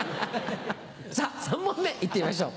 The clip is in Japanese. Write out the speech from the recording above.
さぁ３問目行ってみましょう。